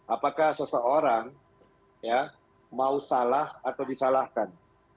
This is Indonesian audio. apakah seseorang mau salah atau disalahkan